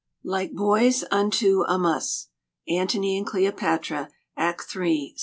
"Like boys unto a muss." Antony and Cleopatra, Act iii. Sc.